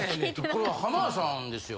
これは浜田さんですよ。